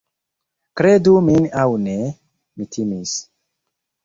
Kredu min aŭ ne, mi timis...